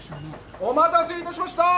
お待たせいたしました！